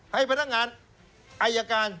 ให้พนักงานอายการ